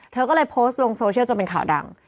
เธอก็เลยโพสต์ลงโซเชียลจนเป็นข่าวดัง